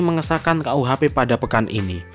mengesahkan kuhp pada pekan ini